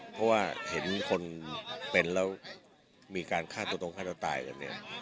เพราะว่าเห็นคนเป็นแล้วมีการฆ่าตัวตรงฆ่าตัวตายกันเนี่ย